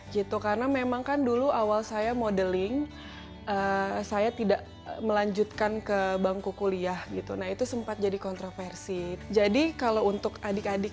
gitu karena memang kan dulu awal saya modeling saya tidak melanjutkan ke bangku kuliah gitu nah